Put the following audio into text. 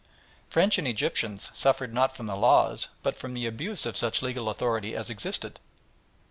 French and Egyptians suffered not from the laws, but from the abuse of such legal authority as existed.